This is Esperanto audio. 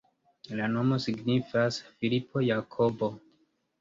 La nomo signifas Filipo-Jakobo.